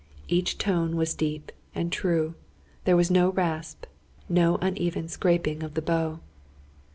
Each tone was deep and true; there was no rasp no uneven scraping of the bow.